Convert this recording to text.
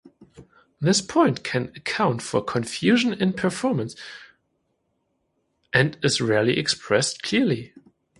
This point can account for confusion in performance and is rarely expressed clearly.